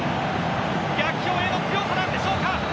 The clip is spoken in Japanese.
逆境への強さなんでしょうか。